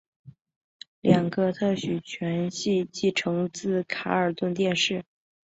两个特许权系继承自卡尔顿电视。